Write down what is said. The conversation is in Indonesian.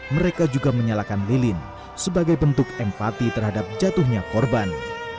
mereka juga menyalakan lilin sebagai bentuk empati terhadap jatuhnya korban